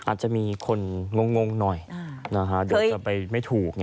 อาจจะมีคนงงหน่อยเดี๋ยวจะไปไม่ถูก